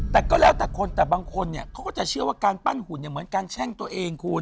แต่ก็แล้วแต่คนแต่บางคนเนี่ยเขาก็จะเชื่อว่าการปั้นหุ่นเนี่ยเหมือนการแช่งตัวเองคุณ